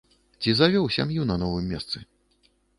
Ці завёў сям'ю на новым месцы?